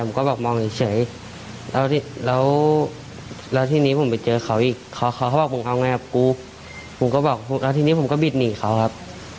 ผมก็บอกแล้วทีนี้ผมก็บิดหนีเขาครับ